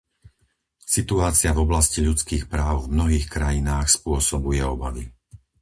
Situácia v oblasti ľudských práv v mnohých krajinách spôsobuje obavy.